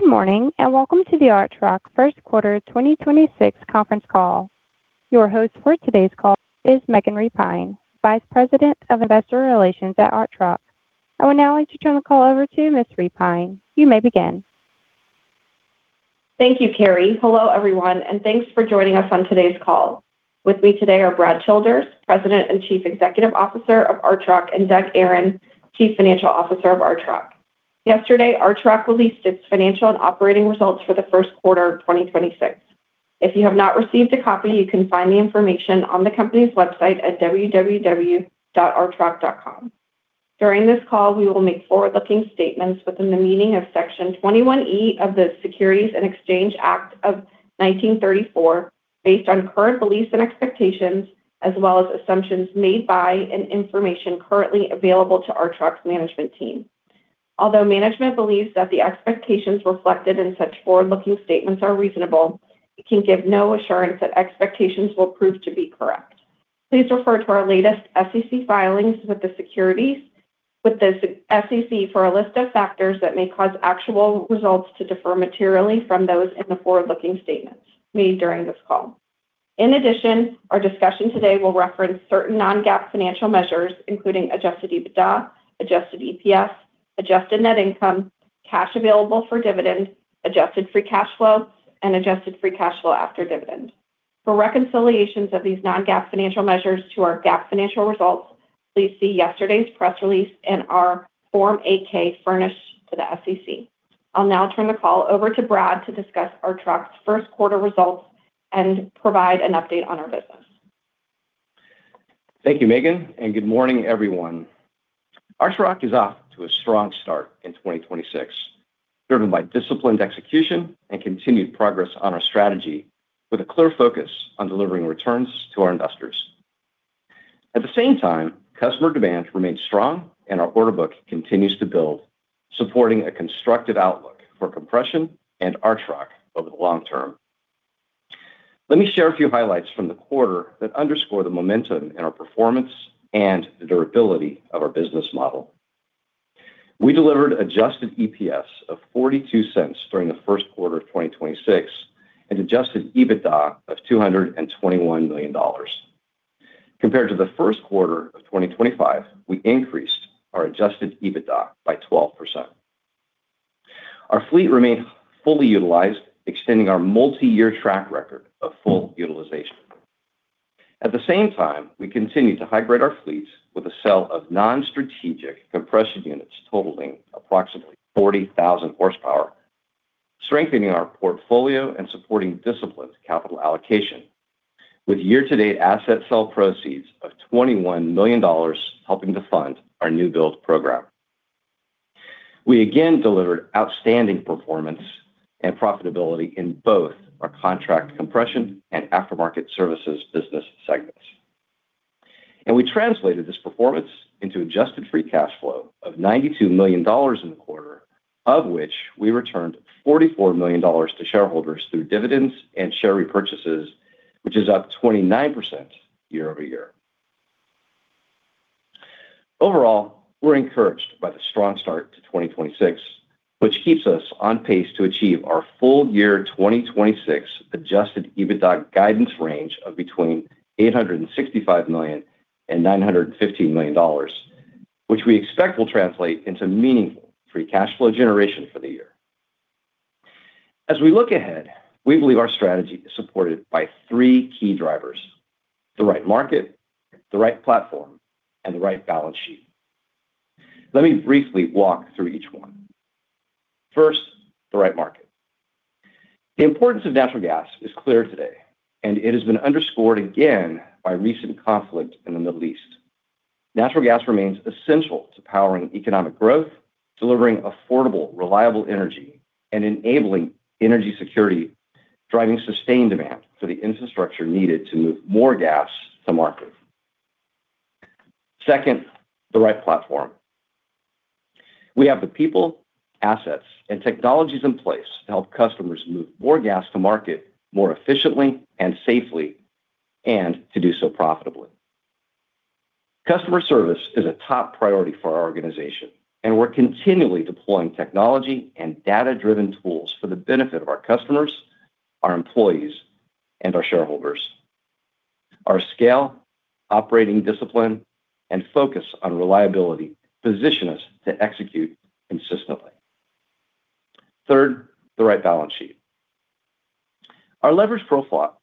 Good morning, Welcome to the Archrock first quarter 2026 conference call. Your host for today's call is Megan Repine, Vice President of Investor Relations at Archrock. I would now like to turn the call over to Ms. Repine. You may begin. Thank you, Carrie. Hello, everyone, and thanks for joining us on today's call. With me today are Brad Childers, President and Chief Executive Officer of Archrock, and Doug Aron, Chief Financial Officer of Archrock. Yesterday, Archrock released its financial and operating results for the first quarter of 2026. If you have not received a copy, you can find the information on the company's website at www.archrock.com. During this call, we will make forward-looking statements within the meaning of Section 21E of the Securities Exchange Act of 1934 based on current beliefs and expectations, as well as assumptions made by and information currently available to Archrock's management team. Although management believes that the expectations reflected in such forward-looking statements are reasonable, it can give no assurance that expectations will prove to be correct. Please refer to our latest SEC filings with the securities with the SEC for a list of factors that may cause actual results to differ materially from those in the forward-looking statements made during this call. In addition, our discussion today will reference certain non-GAAP financial measures, including adjusted EBITDA, adjusted EPS, adjusted net income, cash available for dividends, adjusted free cash flow, and adjusted free cash flow after dividends. For reconciliations of these non-GAAP financial measures to our GAAP financial results, please see yesterday's press release and our Form 8-K furnished to the SEC. I'll now turn the call over to Brad to discuss Archrock's first quarter results and provide an update on our business. Thank you, Megan, and good morning, everyone. Archrock is off to a strong start in 2026, driven by disciplined execution and continued progress on our strategy with a clear focus on delivering returns to our investors. At the same time, customer demand remains strong and our order book continues to build, supporting a constructive outlook for compression and Archrock over the long term. Let me share a few highlights from the quarter that underscore the momentum in our performance and the durability of our business model. We delivered adjusted EPS of $0.42 during the first quarter of 2026 and adjusted EBITDA of $221 million. Compared to the first quarter of 2025, we increased our adjusted EBITDA by 12%. Our fleet remained fully utilized, extending our multi-year track record of full utilization. At the same time, we continue to high-grade our fleets with a sell of non-strategic compression units totaling approximately 40,000 horsepower, strengthening our portfolio and supporting disciplined capital allocation with year-to-date asset sell proceeds of $21 million helping to fund our new build program. We again delivered outstanding performance and profitability in both our contract compression and aftermarket services business segments. We translated this performance into adjusted free cash flow of $92 million in the quarter, of which we returned $44 million to shareholders through dividends and share repurchases, which is up 29% year-over-year. Overall, we're encouraged by the strong start to 2026, which keeps us on pace to achieve our full year 2026 adjusted EBITDA guidance range of between $865 million and $950 million, which we expect will translate into meaningful free cash flow generation for the year. As we look ahead, we believe our strategy is supported by three key drivers: the right market, the right platform, and the right balance sheet. Let me briefly walk through each one. First, the right market. The importance of natural gas is clear today, and it has been underscored again by recent conflict in the Middle East. Natural gas remains essential to powering economic growth, delivering affordable, reliable energy, and enabling energy security, driving sustained demand for the infrastructure needed to move more gas to market. Second, the right platform. We have the people, assets, and technologies in place to help customers move more gas to market more efficiently and safely, and to do so profitably. Customer service is a top priority for our organization, and we're continually deploying technology and data-driven tools for the benefit of our customers, our employees, and our shareholders. Our scale, operating discipline, and focus on reliability position us to execute consistently. Third, the right balance sheet. Our leverage profile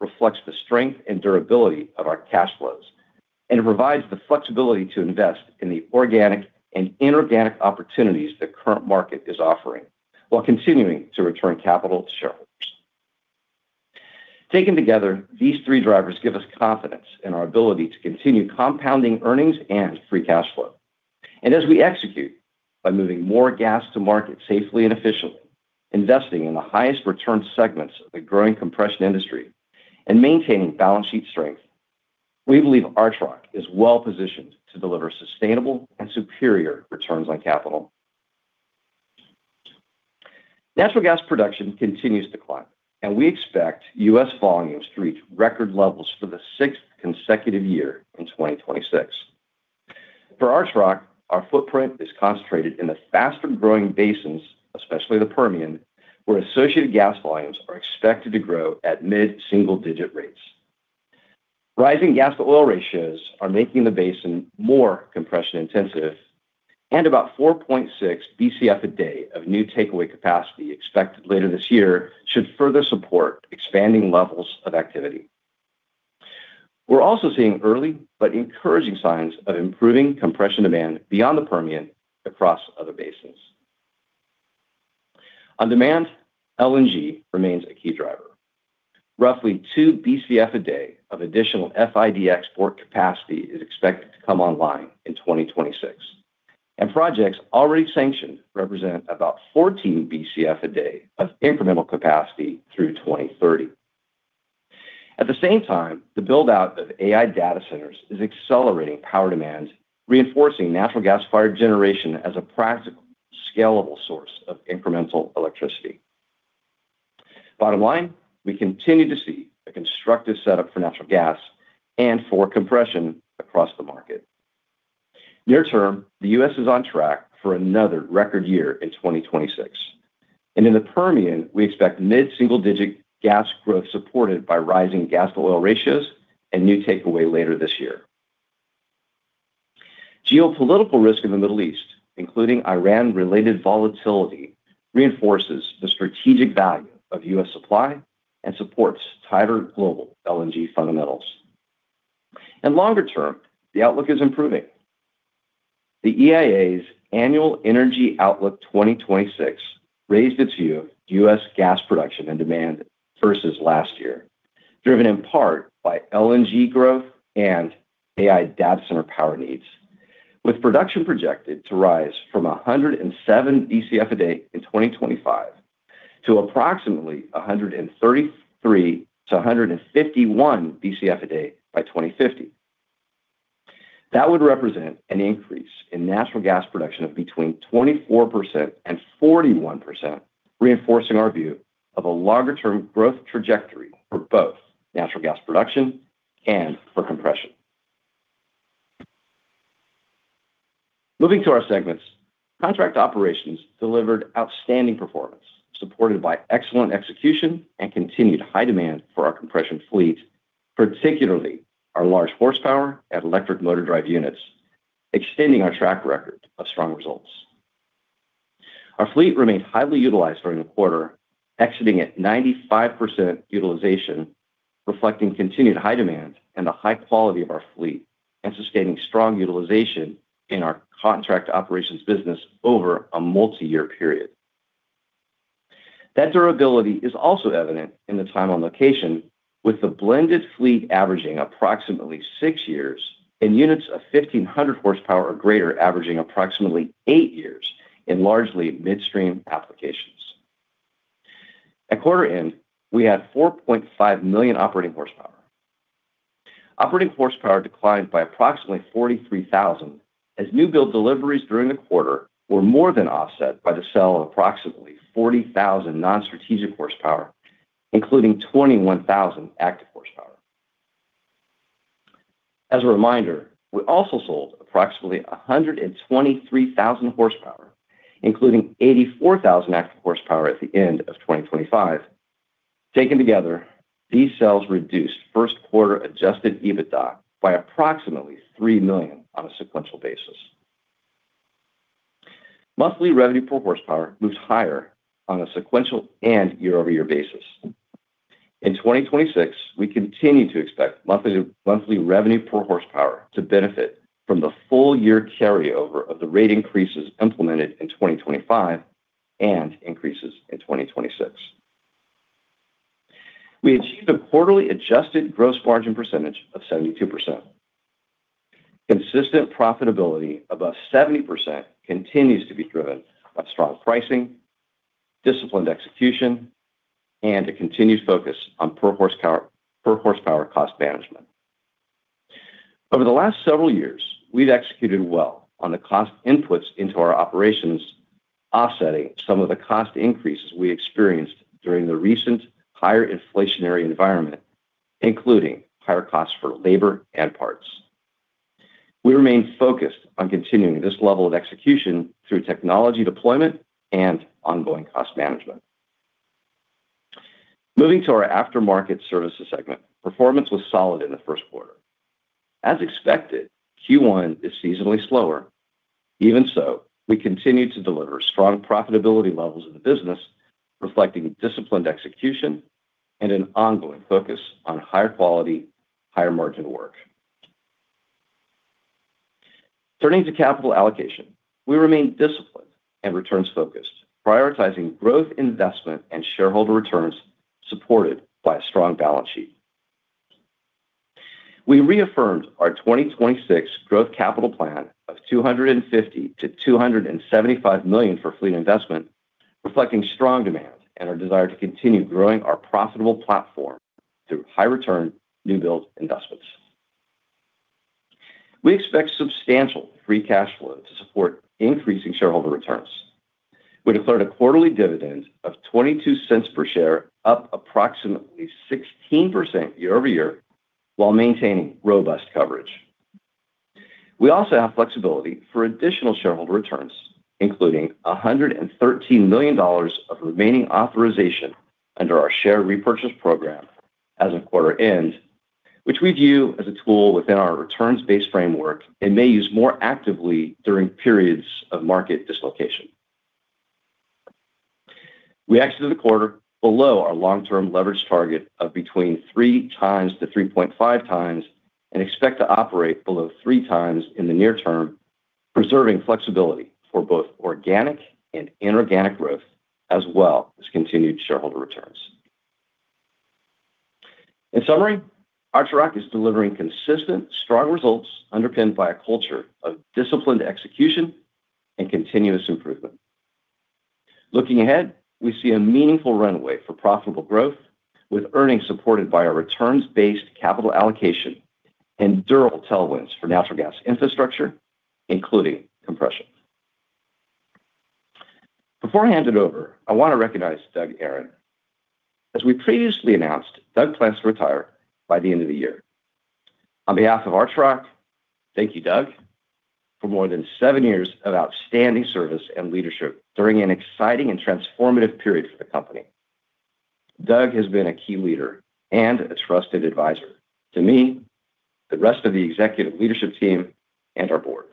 reflects the strength and durability of our cash flows, and it provides the flexibility to invest in the organic and inorganic opportunities the current market is offering while continuing to return capital to shareholders. Taken together, these three drivers give us confidence in our ability to continue compounding earnings and free cash flow. As we execute by moving more gas to market safely and efficiently, investing in the highest return segments of the growing compression industry, and maintaining balance sheet strength, we believe Archrock is well-positioned to deliver sustainable and superior returns on capital. Natural gas production continues to climb, and we expect U.S. volumes to reach record levels for the sixth consecutive year in 2026. For Archrock, our footprint is concentrated in the faster-growing basins, especially the Permian, where associated gas volumes are expected to grow at mid-single-digit rates. Rising gas-to-oil ratios are making the basin more compression-intensive and about 4.6 Bcf a day of new takeaway capacity expected later this year should further support expanding levels of activity. We're also seeing early but encouraging signs of improving compression demand beyond the Permian across other basins. On demand, LNG remains a key driver. Roughly 2 Bcf a day of additional FID export capacity is expected to come online in 2026, and projects already sanctioned represent about 14 Bcf a day of incremental capacity through 2030. At the same time, the build-out of AI data centers is accelerating power demand, reinforcing natural gas-fired generation as a practical, scalable source of incremental electricity. Bottom line, we continue to see a constructive setup for natural gas and for compression across the market. Near term, the U.S. is on track for another record year in 2026. In the Permian, we expect mid-single-digit gas growth supported by rising gas-to-oil ratios and new takeaway later this year. Geopolitical risk in the Middle East, including Iran-related volatility, reinforces the strategic value of U.S. supply and supports tighter global LNG fundamentals. Longer term, the outlook is improving. The EIA's Annual Energy Outlook 2026 raised its view of U.S. gas production and demand versus last year, driven in part by LNG growth and AI data center power needs, with production projected to rise from 107 Bcf a day in 2025 to approximately 133 Bcf to 151 Bcf a day by 2050. That would represent an increase in natural gas production of between 24% and 41%, reinforcing our view of a longer-term growth trajectory for both natural gas production and for compression. Moving to our segments, contract operations delivered outstanding performance, supported by excellent execution and continued high demand for our compression fleet, particularly our large horsepower and electric motor drive units, extending our track record of strong results. Our fleet remained highly utilized during the quarter, exiting at 95% utilization, reflecting continued high demand and the high quality of our fleet and sustaining strong utilization in our contract operations business over a multi-year period. That durability is also evident in the time on location, with the blended fleet averaging approximately six years and units of 1,500 horsepower or greater averaging approximately eight years in largely midstream applications. At quarter end, we had 4.5 million operating horsepower. Operating horsepower declined by approximately 43,000 as new-build deliveries during the quarter were more than offset by the sale of approximately 40,000 non-strategic horsepower, including 21,000 active horsepower. As a reminder, we also sold approximately 123,000 horsepower, including 84,000 active horsepower at the end of 2025. Taken together, these sales reduced first quarter adjusted EBITDA by approximately $3 million on a sequential basis. Monthly revenue per horsepower moves higher on a sequential and year-over-year basis. In 2026, we continue to expect monthly revenue per horsepower to benefit from the full year carryover of the rate increases implemented in 2025 and increases in 2026. We achieved a quarterly adjusted gross margin percentage of 72%. Consistent profitability above 70% continues to be driven by strong pricing, disciplined execution, and a continued focus on per horsepower cost management. Over the last several years, we've executed well on the cost inputs into our operations, offsetting some of the cost increases we experienced during the recent higher inflationary environment, including higher costs for labor and parts. We remain focused on continuing this level of execution through technology deployment and ongoing cost management. Moving to our aftermarket services segment, performance was solid in the first quarter. As expected, Q1 is seasonally slower. Even so, we continue to deliver strong profitability levels in the business, reflecting disciplined execution and an ongoing focus on higher quality, higher margin work. Turning to capital allocation, we remain disciplined and returns-focused, prioritizing growth investment and shareholder returns supported by a strong balance sheet. We reaffirmed our 2026 growth capital plan of $250 million-$275 million for fleet investment, reflecting strong demand and our desire to continue growing our profitable platform through high-return new build investments. We expect substantial free cash flow to support increasing shareholder returns. We declared a quarterly dividend of $0.22 per share, up approximately 16% year-over-year while maintaining robust coverage. We also have flexibility for additional shareholder returns, including $113 million of remaining authorization under our share repurchase program as of quarter end, which we view as a tool within our returns-based framework and may use more actively during periods of market dislocation. We exited the quarter below our long-term leverage target of between 3x to 3.5x and expect to operate below 3x in the near term, preserving flexibility for both organic and inorganic growth as well as continued shareholder returns. In summary, Archrock is delivering consistent, strong results underpinned by a culture of disciplined execution and continuous improvement. Looking ahead, we see a meaningful runway for profitable growth with earnings supported by our returns-based capital allocation and durable tailwinds for natural gas infrastructure, including compression. Before I hand it over, I want to recognize Doug Aron. As we previously announced, Doug plans to retire by the end of the year. On behalf of Archrock, thank you, Doug, for more than seven years of outstanding service and leadership during an exciting and transformative period for the company. Doug has been a key leader and a trusted advisor to me, the rest of the executive leadership team, and our board.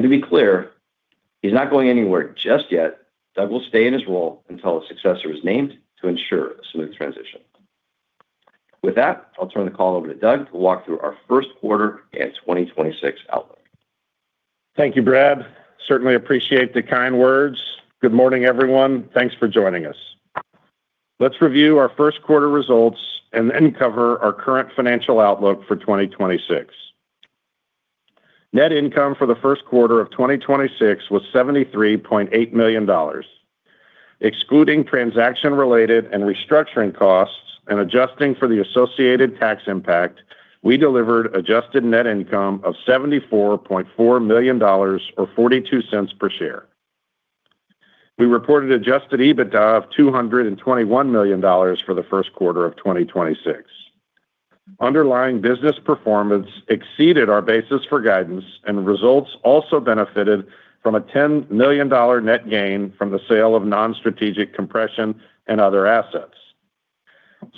To be clear, he's not going anywhere just yet. Doug will stay in his role until a successor is named to ensure a smooth transition. With that, I'll turn the call over to Doug to walk through our first quarter and 2026 outlook. Thank you, Brad. Certainly appreciate the kind words. Good morning, everyone. Thanks for joining us. Let's review our first quarter results and then cover our current financial outlook for 2026. Net income for the first quarter of 2026 was $73.8 million. Excluding transaction-related and restructuring costs and adjusting for the associated tax impact, we delivered adjusted net income of $74.4 million or $0.42 per share. We reported adjusted EBITDA of $221 million for the first quarter of 2026. Underlying business performance exceeded our basis for guidance and results also benefited from a $10 million net gain from the sale of non-strategic compression and other assets.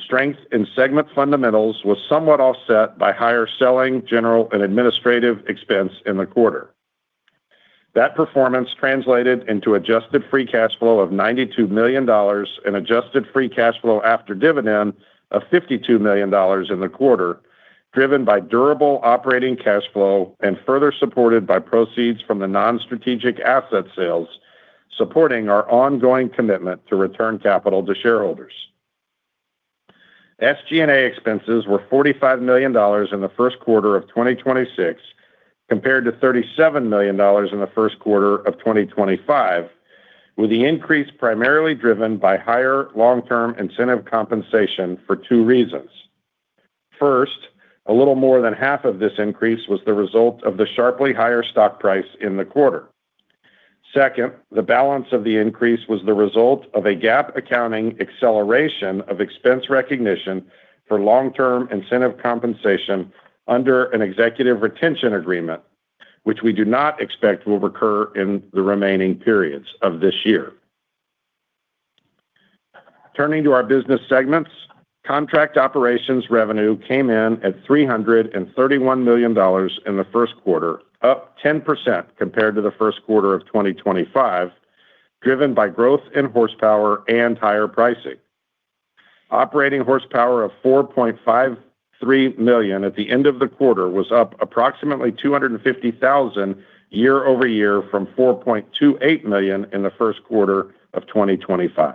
Strength in segment fundamentals was somewhat offset by higher selling, general, and administrative expense in the quarter. That performance translated into adjusted free cash flow of $92 million and adjusted free cash flow after dividends of $52 million in the quarter, driven by durable operating cash flow and further supported by proceeds from the non-strategic asset sales, supporting our ongoing commitment to return capital to shareholders. SG&A expenses were $45 million in the first quarter of 2026 compared to $37 million in the first quarter of 2025, with the increase primarily driven by higher long-term incentive compensation for two reasons. First, a little more than half of this increase was the result of the sharply higher stock price in the quarter. Second, the balance of the increase was the result of a GAAP accounting acceleration of expense recognition for long-term incentive compensation under an executive retention agreement, which we do not expect will recur in the remaining periods of this year. Turning to our business segments, Contract Operations revenue came in at $331 million in the first quarter, up 10% compared to the first quarter of 2025, driven by growth in horsepower and higher pricing. Operating horsepower of 4.53 million at the end of the quarter was up approximately 250,000 year-over-year from 4.28 million in the first quarter of 2025.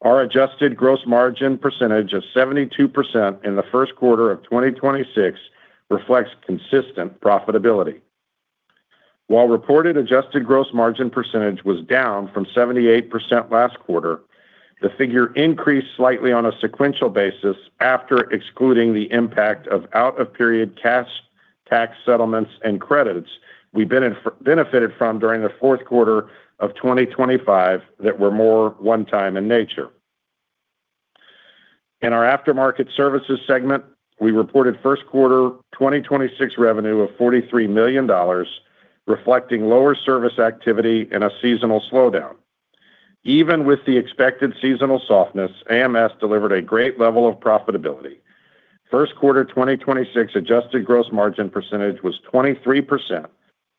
Our Adjusted Gross Margin percentage of 72% in the first quarter of 2026 reflects consistent profitability. Reported Adjusted Gross Margin percentage was down from 78% last quarter, the figure increased slightly on a sequential basis after excluding the impact of out-of-period cash, tax settlements and credits we benefited from during the fourth quarter of 2025 that were more one-time in nature. In our aftermarket services segment, we reported first quarter 2026 revenue of $43 million, reflecting lower service activity and a seasonal slowdown. Even with the expected seasonal softness, AMS delivered a great level of profitability. First quarter 2026 adjusted gross margin percentage was 23%,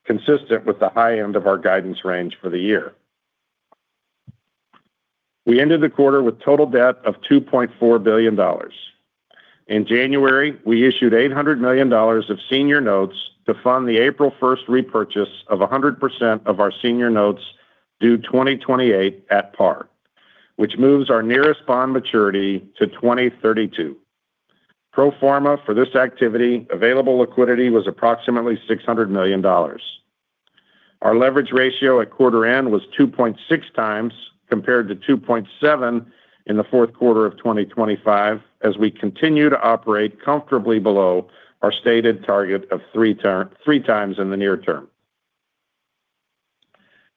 consistent with the high end of our guidance range for the year. We ended the quarter with total debt of $2.4 billion. In January, we issued $800 million of senior notes to fund the April 1st repurchase of 100% of our senior notes due 2028 at par, which moves our nearest bond maturity to 2032. Pro forma for this activity, available liquidity was approximately $600 million. Our leverage ratio at quarter end was 2.6x compared to 2.7 in the fourth quarter of 2025 as we continue to operate comfortably below our stated target of 3x in the near term.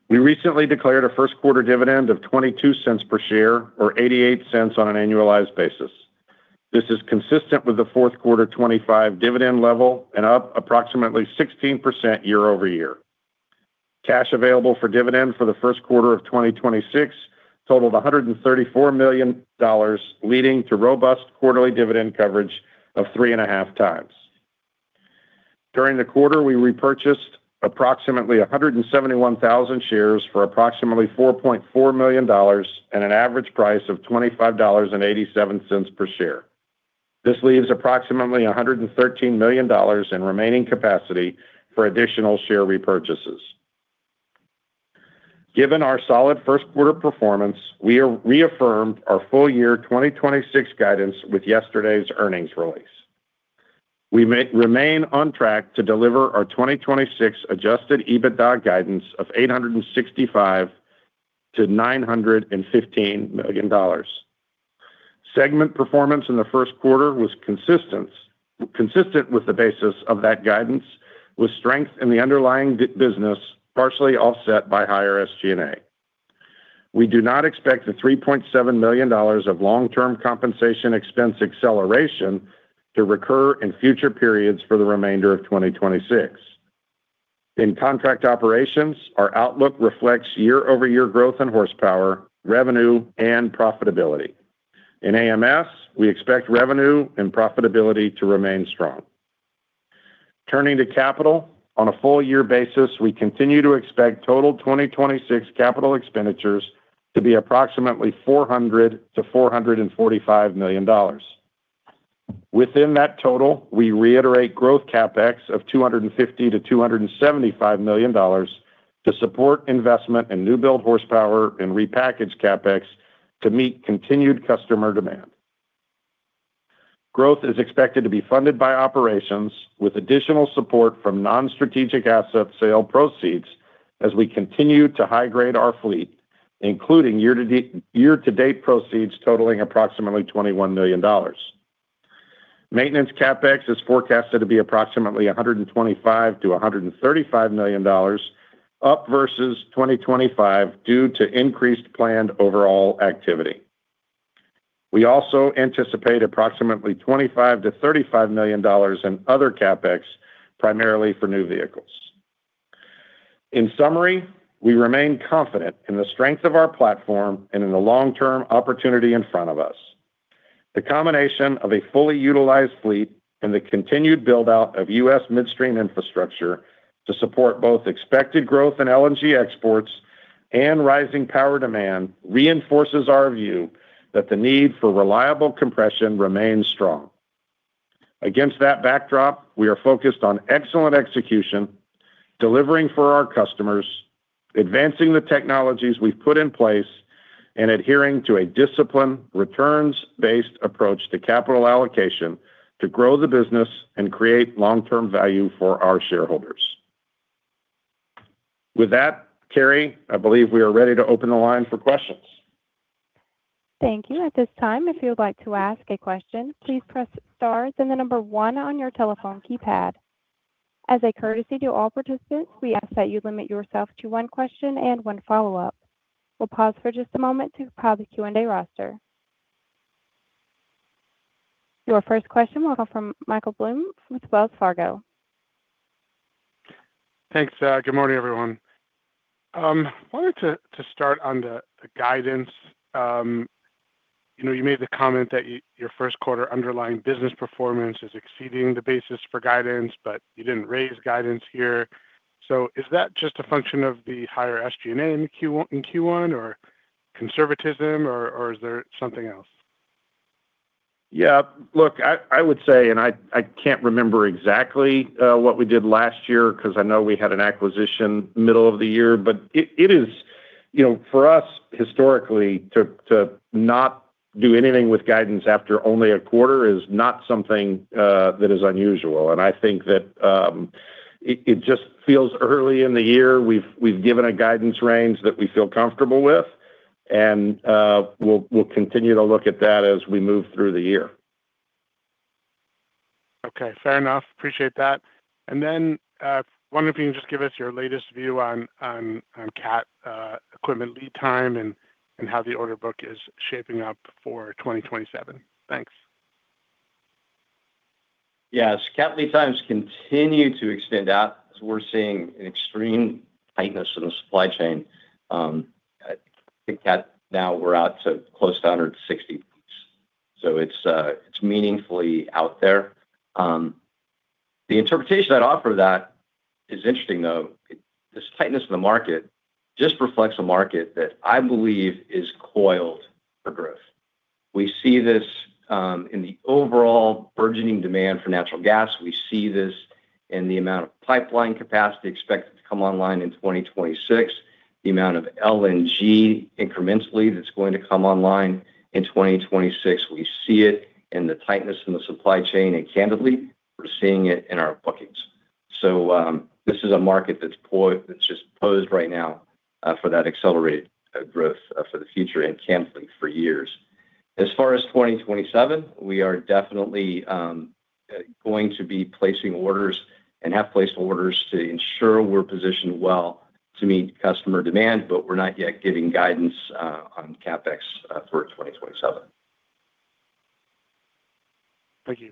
We recently declared a first quarter dividend of $0.22 per share, or $0.88 on an annualized basis. This is consistent with the fourth quarter 2025 dividend level and up approximately 16% year over year. Cash available for dividend for the first quarter of 2026 totaled $134 million, leading to robust quarterly dividend coverage of 3.5x. During the quarter, we repurchased approximately 171,000 shares for approximately $4.4 million and an average price of $25.87 per share. This leaves approximately $113 million in remaining capacity for additional share repurchases. Given our solid first quarter performance, we are reaffirmed our full year 2026 guidance with yesterday's earnings release. We remain on track to deliver our 2026 adjusted EBITDA guidance of $865 million-$915 million. Segment performance in the first quarter was consistent with the basis of that guidance, with strength in the underlying business partially offset by higher SG&A. We do not expect the $3.7 million of long-term compensation expense acceleration to recur in future periods for the remainder of 2026. In contract operations, our outlook reflects year-over-year growth in horsepower, revenue, and profitability. In AMS, we expect revenue and profitability to remain strong. Turning to capital on a full year basis, we continue to expect total 2026 capital expenditures to be approximately $400 million-$445 million. Within that total, we reiterate growth CapEx of $250 million-$275 million to support investment in new build horsepower and repackage CapEx to meet continued customer demand. Growth is expected to be funded by operations with additional support from non-strategic asset sale proceeds as we continue to high grade our fleet, including year-to-date proceeds totaling approximately $21 million. Maintenance CapEx is forecasted to be approximately $125 million-$135 million, up versus 2025 due to increased planned overall activity. We also anticipate approximately $25 million-$35 million in other CapEx, primarily for new vehicles. In summary, we remain confident in the strength of our platform and in the long-term opportunity in front of us. The combination of a fully utilized fleet and the continued build-out of U.S. midstream infrastructure to support both expected growth in LNG exports and rising power demand reinforces our view that the need for reliable compression remains strong. Against that backdrop, we are focused on excellent execution, delivering for our customers, advancing the technologies we've put in place, and adhering to a disciplined, returns-based approach to capital allocation to grow the business and create long-term value for our shareholders. With that, Carrie, I believe we are ready to open the line for questions. Thank you. At this time, if you would like to ask a question, please press star then the number one on your telephone keypad. As a courtesy to all participants, we ask that you limit yourself to one question and one follow-up. We'll pause for just a moment to pull out the Q&A roster. Your first question will come from Michael Blum with Wells Fargo. Thanks. Good morning, everyone. Wanted to start on the guidance, you know, you made the comment that your first quarter underlying business performance is exceeding the basis for guidance, but you didn't raise guidance here. Is that just a function of the higher SG&A in Q1, or conservatism, or is there something else? Yeah, look, I would say, I can't remember exactly what we did last year, ‘cause I know we had an acquisition middle of the year. It, it is, you know, for us historically to not do anything with guidance after only a quarter is not something that is unusual. I think that, it just feels early in the year. We've given a guidance range that we feel comfortable with and we'll continue to look at that as we move through the year. Okay. Fair enough. Appreciate that. Wondering if you can just give us your latest view on Cat equipment lead time and how the order book is shaping up for 2027. Thanks. Caterpillar lead times continue to extend out as we're seeing an extreme tightness in the supply chain. I think at now we're out to close to 160 weeks, so it's meaningfully out there. The interpretation I'd offer that is interesting, though. This tightness in the market just reflects a market that I believe is coiled for growth. We see this in the overall burgeoning demand for natural gas. We see this in the amount of pipeline capacity expected to come online in 2026, the amount of LNG incrementally that's going to come online in 2026. We see it in the tightness in the supply chain, and candidly, we're seeing it in our bookings. This is a market that's just posed right now for that accelerated growth for the future and candidly for years. As far as 2027, we are definitely going to be placing orders and have placed orders to ensure we're positioned well to meet customer demand, but we're not yet giving guidance on CapEx for 2027. Thank you.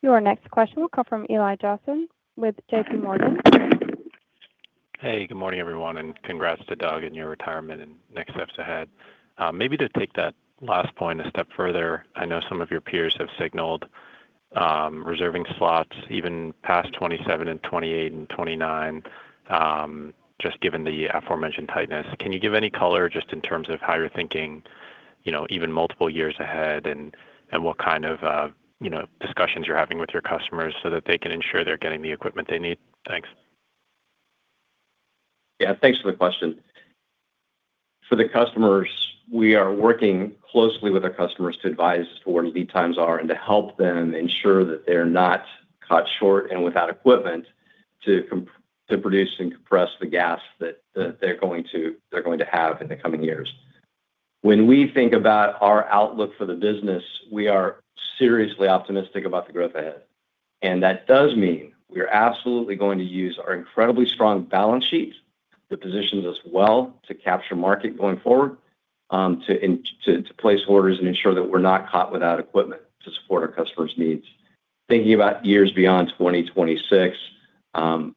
Your next question will come from Eli Jossen with JPMorgan. Hey, good morning, everyone. Congrats to Doug in your retirement and next steps ahead. Maybe to take that last point a step further, I know some of your peers have signaled reserving slots even past 2027 and 2028 and 2029, just given the aforementioned tightness. Can you give any color just in terms of how you're thinking, you know, even multiple years ahead and what kind of, you know, discussions you're having with your customers so that they can ensure they're getting the equipment they need? Thanks. Yeah. Thanks for the question. For the customers, we are working closely with our customers to advise as to where lead times are and to help them ensure that they're not caught short and without equipment to produce and compress the gas that they're going to have in the coming years. When we think about our outlook for the business, we are seriously optimistic about the growth ahead. That does mean we are absolutely going to use our incredibly strong balance sheet that positions us well to capture market going forward, to place orders and ensure that we're not caught without equipment to support our customers' needs. Thinking about years beyond 2026,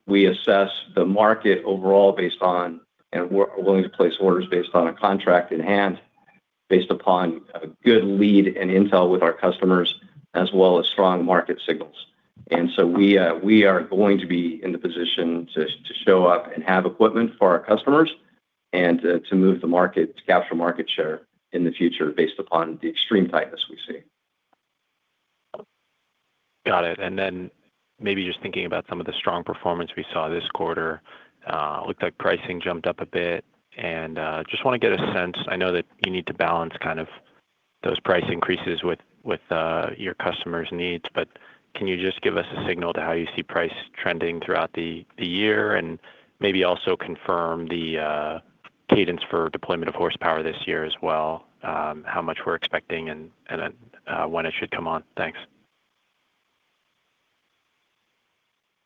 we assess the market overall based on and we're willing to place orders based on a contract in hand, based upon a good lead and intel with our customers, as well as strong market signals. We are going to be in the position to show up and have equipment for our customers and to capture market share in the future based upon the extreme tightness we see. Got it. Maybe just thinking about some of the strong performance we saw this quarter. Looked like pricing jumped up a bit and just wanna get a sense. I know that you need to balance kind of those price increases with your customers' needs, but can you just give us a signal to how you see price trending throughout the year and maybe also confirm the cadence for deployment of horsepower this year as well, how much we're expecting and then when it should come on? Thanks.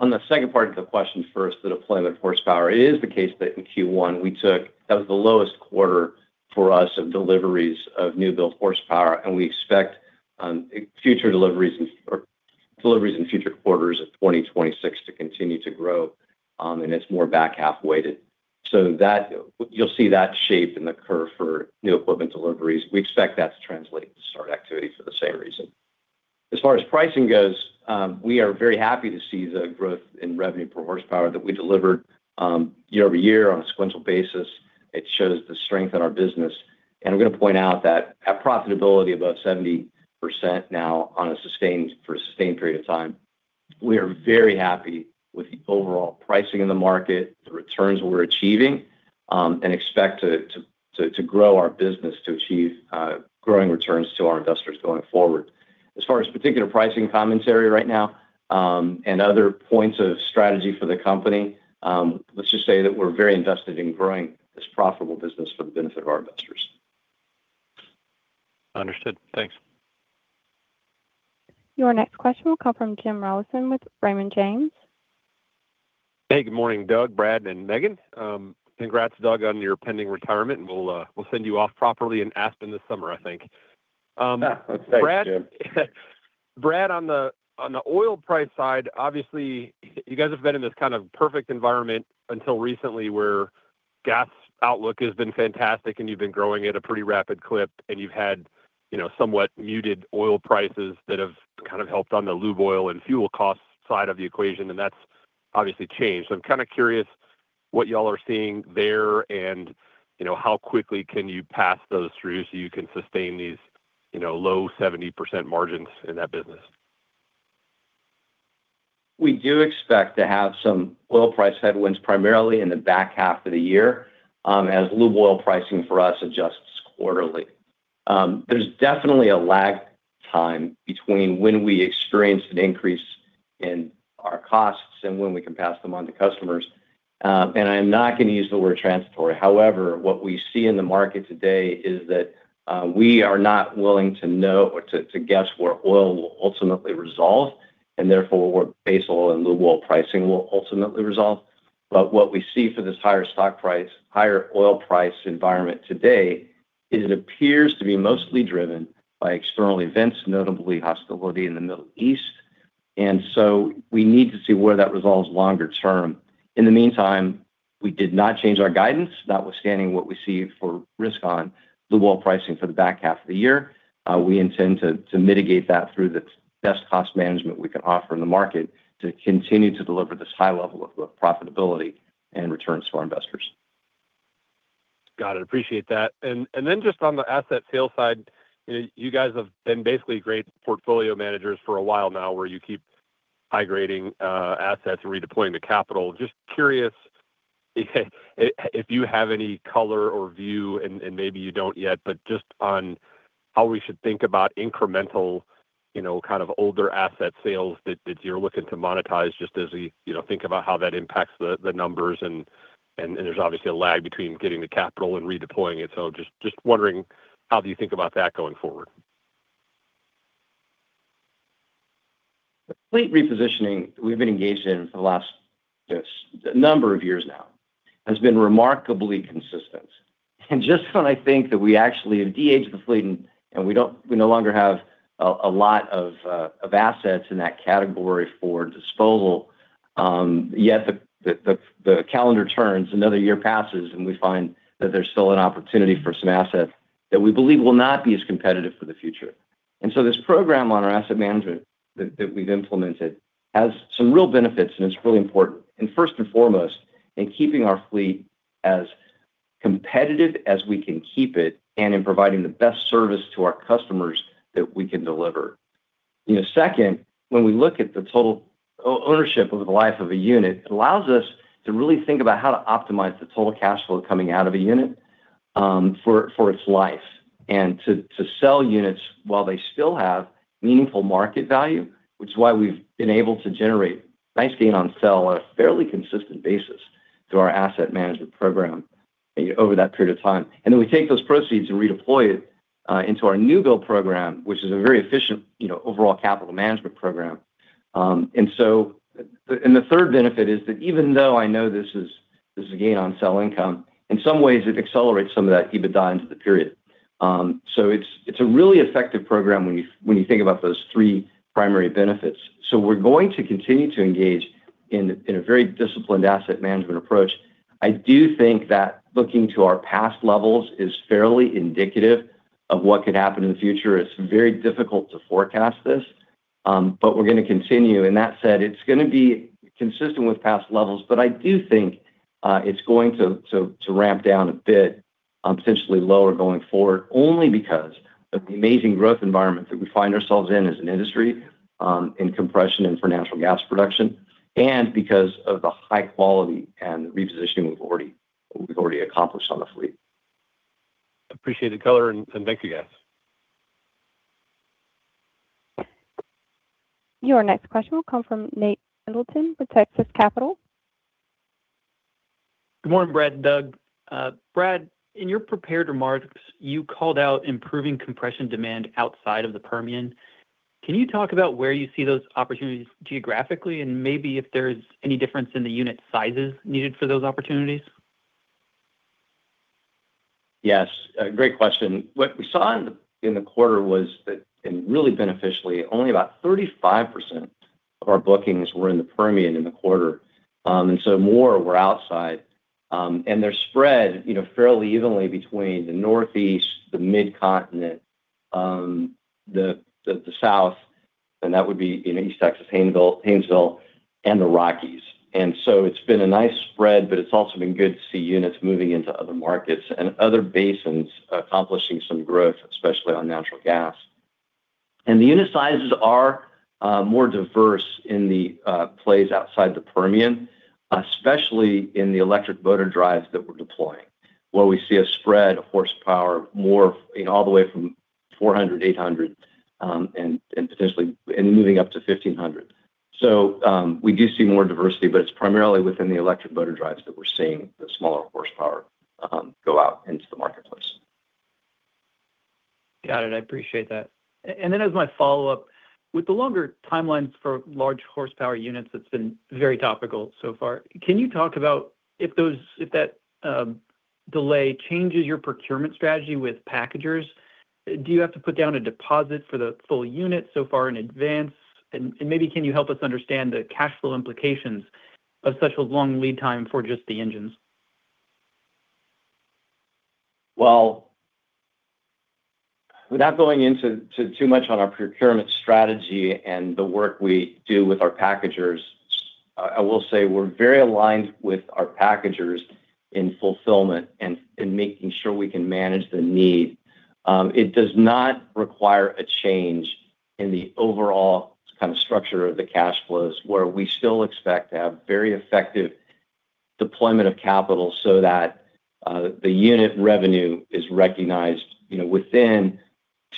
On the second part of the question first, the deployment of horsepower, it is the case that in Q1 that was the lowest quarter for us of deliveries of new-build horsepower, and we expect future deliveries or deliveries in future quarters of 2026 to continue to grow, and it's more back half-weighted. You'll see that shape in the curve for new equipment deliveries. We expect that to translate to start activity for the same reason. As far as pricing goes, we are very happy to see the growth in revenue per horsepower that we delivered, year-over-year on a sequential basis. It shows the strength in our business. I'm going to point out that at profitability above 70% now for a sustained period of time, we are very happy with the overall pricing in the market, the returns we're achieving, and expect to grow our business to achieve growing returns to our investors going forward. As far as particular pricing commentary right now, and other points of strategy for the company, let's just say that we're very invested in growing this profitable business for the benefit of our investors. Understood. Thanks. Your next question will come from Jim Rollyson with Raymond James. Hey, good morning, Doug, Brad, and Megan. Congrats, Doug, on your pending retirement, and we'll send you off properly in Aspen this summer, I think. Thanks, Jim. Brad, on the oil price side, obviously you guys have been in this kind of perfect environment until recently where gas outlook has been fantastic and you've been growing at a pretty rapid clip and you've had, you know, somewhat muted oil prices that have kind of helped on the lube oil and fuel cost side of the equation, and that's obviously changed. I'm kinda curious what you all are seeing there and, you know, how quickly can you pass those through so you can sustain these, you know, low 70% margins in that business? We do expect to have some oil price headwinds primarily in the back half of the year, as lube oil pricing for us adjusts quarterly. There's definitely a lag time between when we experience an increase in our costs and when we can pass them on to customers. I am not gonna use the word transitory. However, what we see in the market today is that we are not willing to know or to guess where oil will ultimately resolve, and therefore, where base oil and lube oil pricing will ultimately resolve. But what we see for this higher stock price, higher oil price environment today is it appears to be mostly driven by external events, notably hostility in the Middle East. We need to see where that resolves longer term. In the meantime, we did not change our guidance notwithstanding what we see for risk on lube oil pricing for the back half of the year. We intend to mitigate that through the best cost management we can offer in the market to continue to deliver this high level of profitability and returns to our investors. Got it. Appreciate that. Then just on the asset sales side, you know, you guys have been basically great portfolio managers for a while now, where you keep migrating assets and redeploying the capital. Just curious, if you have any color or view, and maybe you don't yet. How we should think about incremental, you know, kind of older asset sales that you're looking to monetize just as we, you know, think about how that impacts the numbers and there's obviously a lag between getting the capital and redeploying it. Just wondering how do you think about that going forward? The fleet repositioning we've been engaged in for the last number of years now has been remarkably consistent. Just when I think that we actually have de-aged the fleet and we no longer have a lot of assets in that category for disposal, yet the calendar turns, another year passes, and we find that there's still an opportunity for some assets that we believe will not be as competitive for the future. This program on our asset management that we've implemented has some real benefits, and it's really important. First and foremost, in keeping our fleet as competitive as we can keep it and in providing the best service to our customers that we can deliver. You know, second, when we look at the total ownership of the life of a unit, it allows us to really think about how to optimize the total cash flow coming out of a unit for its life. To sell units while they still have meaningful market value, which is why we've been able to generate nice gain on sell on a fairly consistent basis through our asset management program over that period of time. We take those proceeds and redeploy it into our new build program, which is a very efficient, you know, overall capital management program. The third benefit is that even though I know this is a gain on sell income, in some ways it accelerates some of that EBITDA into the period. It's a really effective program when you think about those three primary benefits. We're going to continue to engage in a very disciplined asset management approach. I do think that looking to our past levels is fairly indicative of what could happen in the future. It's very difficult to forecast this, but we're gonna continue. That said, it's gonna be consistent with past levels, but I do think it's going to ramp down a bit, potentially lower going forward only because of the amazing growth environment that we find ourselves in as an industry, in compression and for natural gas production, and because of the high quality and the repositioning we've already accomplished on the fleet. Appreciate the color, and thank you guys. Your next question will come from Nate Pendleton with Texas Capital. Good morning, Brad and Doug. Brad, in your prepared remarks, you called out improving compression demand outside of the Permian. Can you talk about where you see those opportunities geographically and maybe if there's any difference in the unit sizes needed for those opportunities? Yes. Great question. What we saw in the quarter was that, and really beneficially, only about 35% of our bookings were in the Permian in the quarter. More were outside. They're spread, you know, fairly evenly between the Northeast, the Mid-Continent, the South, and that would be in East Texas, Haynesville, and the Rockies. It's been a nice spread, but it's also been good to see units moving into other markets and other basins accomplishing some growth, especially on natural gas. The unit sizes are more diverse in the plays outside the Permian, especially in the electric motor drives that we're deploying, where we see a spread of horsepower more, you know, all the way from 400, 800, and potentially moving up to 1,500. We do see more diversity, but it's primarily within the electric motor drives that we're seeing the smaller horsepower go out into the marketplace. Got it. I appreciate that. Then as my follow-up, with the longer timelines for large horsepower units that's been very topical so far, can you talk about if that delay changes your procurement strategy with packagers? Do you have to put down a deposit for the full unit so far in advance? Maybe can you help us understand the cash flow implications of such a long lead time for just the engines? Well, without going into too much on our procurement strategy and the work we do with our packagers, I will say we're very aligned with our packagers in fulfillment and in making sure we can manage the need. It does not require a change in the overall kind of structure of the cash flows, where we still expect to have very effective deployment of capital so that the unit revenue is recognized, you know, within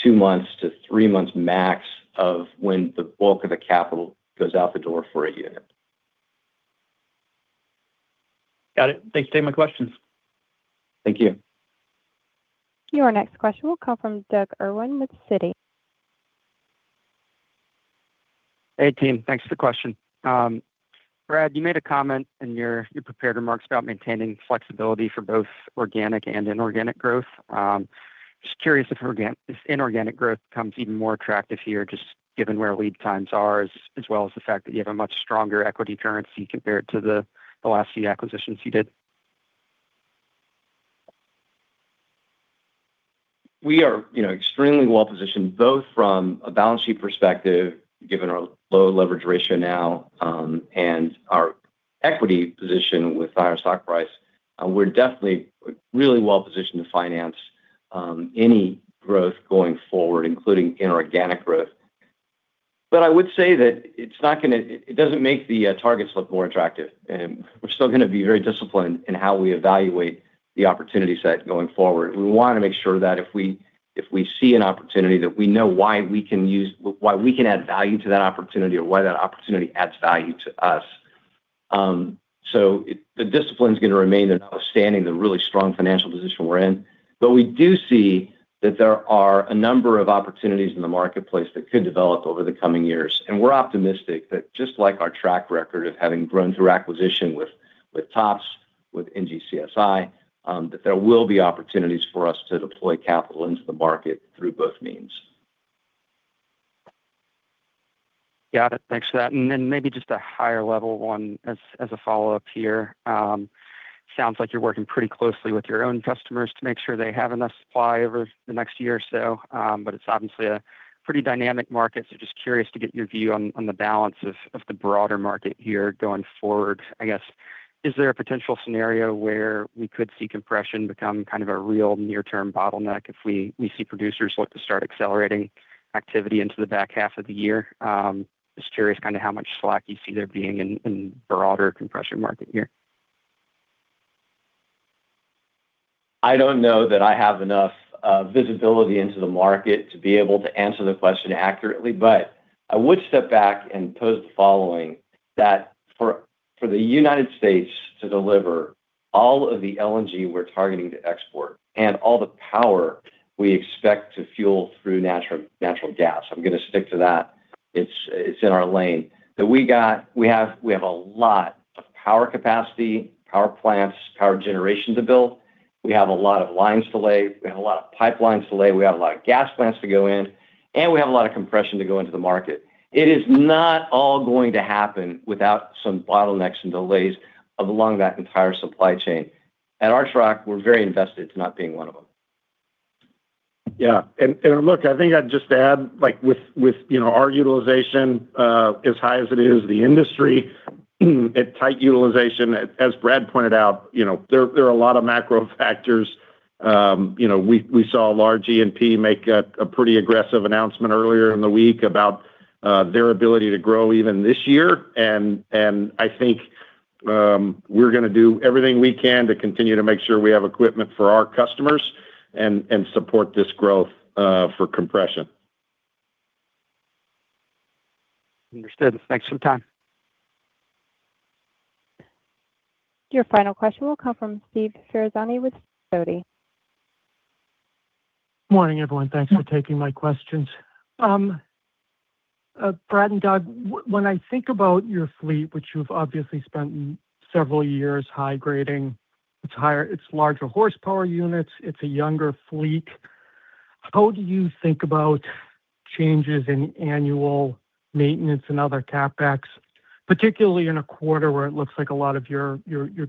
two-three months max of when the bulk of the capital goes out the door for a unit. Got it. Thanks. Those are my questions. Thank you. Your next question will come from Doug Irwin with Citi. Hey, team. Thanks for the question. Brad, you made a comment in your prepared remarks about maintaining flexibility for both organic and inorganic growth. Just curious if inorganic growth becomes even more attractive here, just given where lead times are, as well as the fact that you have a much stronger equity currency compared to the last few acquisitions you did. We are, you know, extremely well-positioned, both from a balance sheet perspective, given our low leverage ratio now, and our equity position with our stock price. We're definitely, really well-positioned to finance any growth going forward, including inorganic growth. I would say that it doesn't make the targets look more attractive, and we're still gonna be very disciplined in how we evaluate the opportunity set going forward. We wanna make sure that if we, if we see an opportunity, that we know why we can use why we can add value to that opportunity or why that opportunity adds value to us. The discipline's gonna remain in outstanding the really strong financial position we're in. We do see that there are a number of opportunities in the marketplace that could develop over the coming years, and we're optimistic that just like our track record of having grown through acquisition with TOPS, with NGCSi, that there will be opportunities for us to deploy capital into the market through both means. Got it. Thanks for that. Maybe just a higher level one as a follow-up here. Sounds like you're working pretty closely with your own customers to make sure they have enough supply over the next year or so, but it's obviously a pretty dynamic market, so just curious to get your view on the balance of the broader market here going forward. I guess, is there a potential scenario where we could see compression become kind of a real near-term bottleneck if we see producers look to start accelerating activity into the back half of the year? Just curious kind of how much slack you see there being in broader compression market here? I don't know that I have enough visibility into the market to be able to answer the question accurately, but I would step back and pose the following, that for the United States to deliver all of the LNG we're targeting to export and all the power we expect to fuel through natural gas. I'm gonna stick to that. It's, it's in our lane. We have a lot of power capacity, power plants, power generation to build. We have a lot of lines to lay. We have a lot of pipelines to lay. We have a lot of gas plants to go in, and we have a lot of compression to go into the market. It is not all going to happen without some bottlenecks and delays along that entire supply chain. At Archrock, we're very invested to not being one of them. Yeah. Look, I think I'd just add, like with, you know, our utilization as high as it is, the industry at tight utilization. Brad pointed out, you know, there are a lot of macro factors. You know, we saw large E&P make a pretty aggressive announcement earlier in the week about their ability to grow even this year. I think we're gonna do everything we can to continue to make sure we have equipment for our customers and support this growth for compression. Understood. Thanks for your time. Your final question will come from Steve Ferazani with Sidoti. Morning, everyone. Thanks for taking my questions. Brad and Doug, when I think about your fleet, which you've obviously spent several years high grading, its larger horsepower units, it's a younger fleet. How do you think about changes in annual maintenance and other CapEx, particularly in a quarter where it looks like a lot of your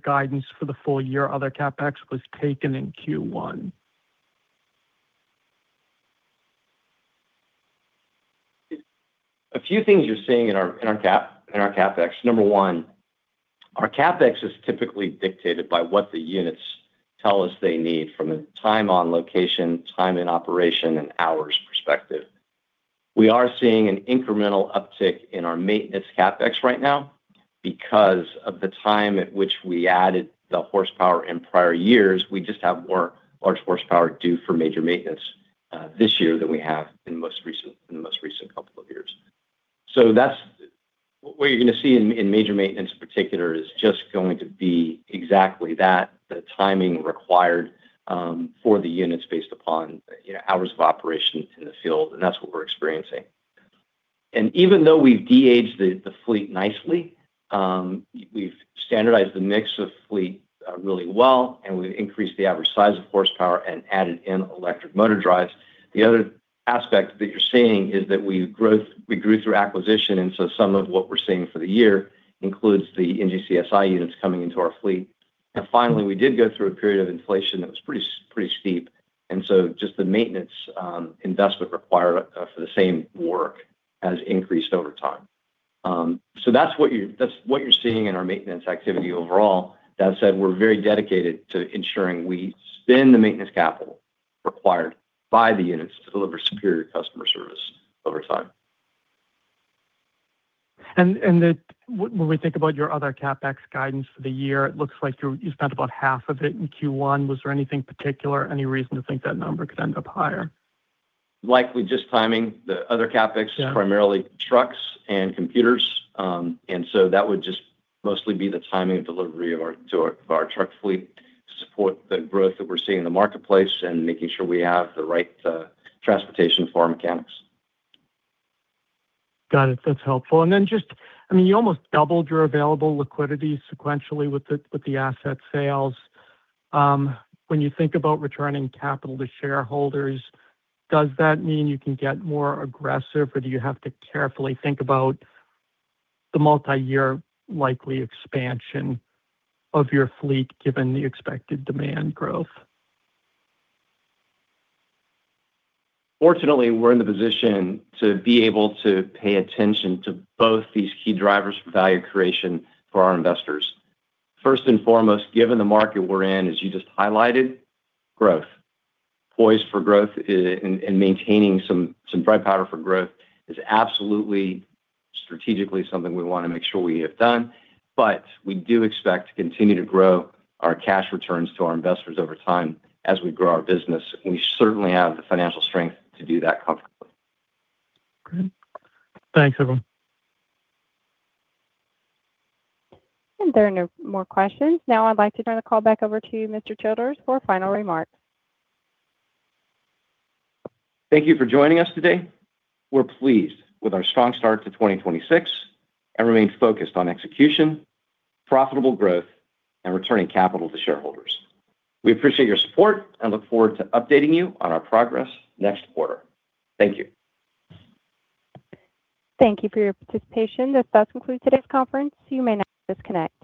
guidance for the full year, other CapEx was taken in Q1? A few things you're seeing in our CapEx. Number one, our CapEx is typically dictated by what the units tell us they need from a time on location, time in operation, and hours perspective. We are seeing an incremental uptick in our maintenance CapEx right now because of the time at which we added the horsepower in prior years. We just have more large horsepower due for major maintenance this year than we have in the most recent couple of years. What you're going to see in major maintenance in particular is just going to be exactly that, the timing required for the units based upon, you know, hours of operation in the field, and that's what we're experiencing. Even though we've de-aged the fleet nicely, we've standardized the mix of fleet really well, and we've increased the average size of horsepower and added in electric motor drives. The other aspect that you're seeing is that we grew through acquisition, some of what we're seeing for the year includes the NGCSi units coming into our fleet. Finally, we did go through a period of inflation that was pretty steep. Just the maintenance investment required for the same work has increased over time. That's what you're seeing in our maintenance activity overall. That said, we're very dedicated to ensuring we spend the maintenance capital required by the units to deliver superior customer service over time. When we think about your other CapEx guidance for the year, it looks like you spent about half of it in Q1. Was there anything particular, any reason to think that number could end up higher? Likely just timing. The other CapEx is primarily trucks and computers. Yeah. That would just mostly be the timing of delivery of our truck fleet to support the growth that we're seeing in the marketplace and making sure we have the right transportation for our mechanics. Got it. That's helpful. I mean, you almost doubled your available liquidity sequentially with the, with the asset sales. When you think about returning capital to shareholders, does that mean you can get more aggressive, or do you have to carefully think about the multi-year likely expansion of your fleet given the expected demand growth? Fortunately, we're in the position to be able to pay attention to both these key drivers for value creation for our investors. First and foremost, given the market we're in, as you just highlighted, growth. Poised for growth in maintaining some dry powder for growth is absolutely strategically something we wanna make sure we have done, but we do expect to continue to grow our cash returns to our investors over time as we grow our business. We certainly have the financial strength to do that comfortably. Great. Thanks, everyone. There are no more questions. Now, I'd like to turn the call back over to you, Mr. Childers, for final remarks. Thank you for joining us today. We're pleased with our strong start to 2026 and remain focused on execution, profitable growth, and returning capital to shareholders. We appreciate your support and look forward to updating you on our progress next quarter. Thank you. Thank you for your participation. This does conclude today's conference. You may now disconnect.